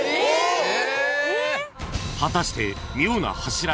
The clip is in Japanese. ［果たして］